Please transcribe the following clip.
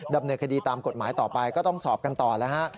ดำเนินคดีตามกฎหมายต่อไปก็ต้องสอบกันต่อแล้วฮะ